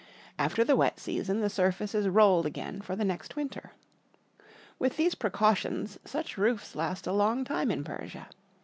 After the wet season the surface is rolled again for the next winter. With these precautions such roofs last a long time in Persia.